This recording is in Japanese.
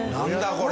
これ。